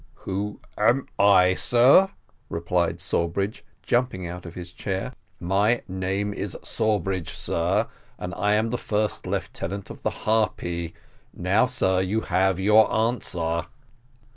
"Who am I, sir?" replied Sawbridge, jumping out of his chair "my name is Sawbridge, sir, and I am the first lieutenant of the Harpy. Now, sir, you have your answer."